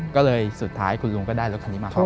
ก็เลยสุดท้ายคุณลุงก็ได้รถคันนี้มาก่อน